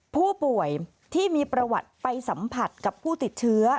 ผู้ป่วยที่มีประวัติไปสัมผัสกับผู้ติดเชื้อ